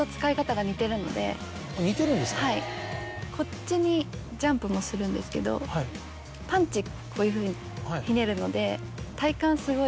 こっちにジャンプもするんですけどパンチこういうふうにひねるので。